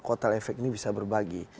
kotel efek ini bisa berbagi